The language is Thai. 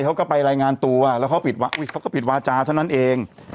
เขาก็ไปรายงานตัวแล้วเขาก็ปิดวาจาเท่านั้นเอง